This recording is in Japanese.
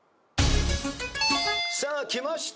さあきました